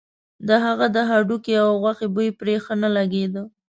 د هغه د هډوکي او غوښې بوی پرې ښه نه لګېده.